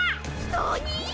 なに！？